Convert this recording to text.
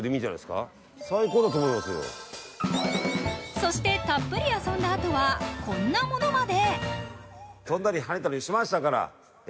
そしてたっぷり遊んだあとは、こんなものまで。